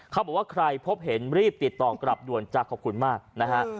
เขาบอกว่าใครพบเห็นรีบติดต่อกลับด่วนจากขอบคุณมากนะฮะ